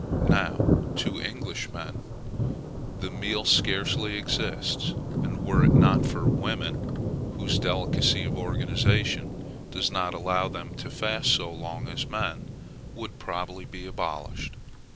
Now to English_men_ that meal scarcely exists; and were it not for women, whose delicacy of organization does not allow them to fast so long as men, would probably be abolished.